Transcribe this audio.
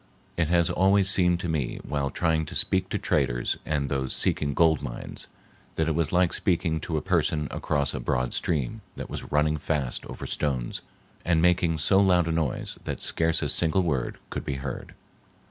It has always seemed to me while trying to speak to traders and those seeking gold mines that it was like speaking to a person across a broad stream that was running fast over stones and making so loud a noise that scarce a single word could be heard.